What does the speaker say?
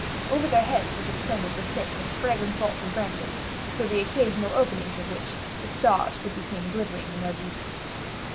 Over their heads was extended the thick and fragrant vault of branches, through the occasional openings of which the stars could be seen glittering in their beauty.